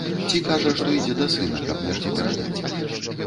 Ці кажа, што ідзе да сына, каб нешта перадаць.